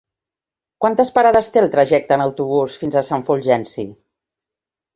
Quantes parades té el trajecte en autobús fins a Sant Fulgenci?